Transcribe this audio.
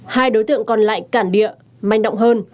hai đối tượng còn lại cản địa manh động hơn